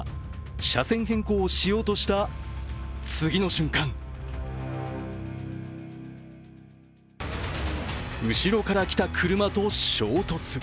車線変更をしようとした次の瞬間後ろから来た車と衝突。